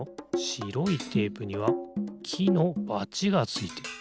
しろいテープにはきのバチがついてる。